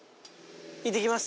行ってきます。